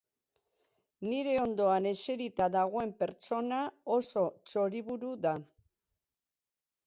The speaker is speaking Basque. Nire ondoan eserita dagoen pertsona, oso txori buru da.